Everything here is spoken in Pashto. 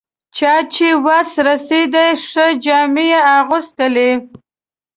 چا چې وس رسېد ښې جامې یې اغوستلې.